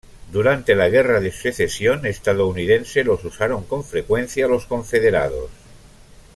Durante la Guerra de Secesión estadounidense los usaron con frecuencia los confederados.